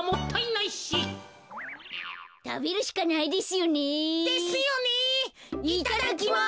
いただきます。